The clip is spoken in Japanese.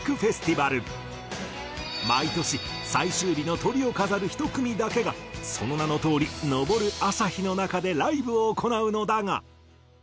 毎年最終日のトリを飾る１組だけがその名のとおり昇る朝陽の中でライブを行うのだが。